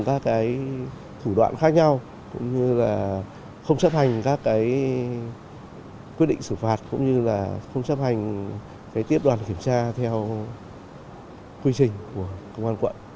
các thủ đoạn khác nhau cũng như là không chấp hành các quyết định xử phạt cũng như là không chấp hành tiếp đoàn kiểm tra theo quy trình của công an quận